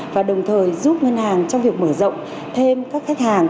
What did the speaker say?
và đồng thời giúp ngân hàng trong việc mở rộng thêm các khách hàng